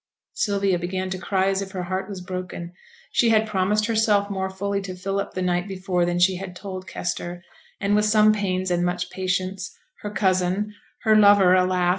Sylvia began to cry as if her heart was broken. She had promised herself more fully to Philip the night before than she had told Kester; and, with some pains and much patience, her cousin, her lover, alas!